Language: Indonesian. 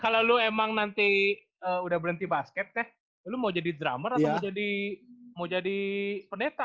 kalau lo emang nanti udah berhenti basket eh lo mau jadi drummer atau mau jadi pendeta